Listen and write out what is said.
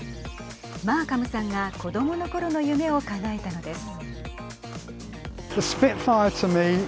マーカムさんが子どものころの夢をかなえたのです。